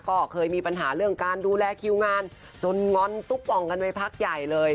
ก็เคยมีปัญหาเรื่องการดูแลคิวงานจนงอนตุ๊บป่องกันไปพักใหญ่เลย